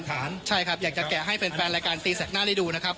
ใช่ครับอยากจะแกะให้แฟนรายการตีแสกหน้าได้ดูนะครับ